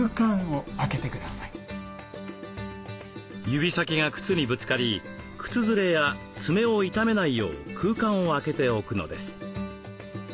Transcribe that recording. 指先が靴にぶつかり靴ずれや爪を傷めないよう空間を空けておくのです。